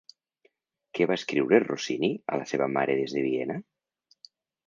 Què va escriure Rossini a la seva mare des de Viena?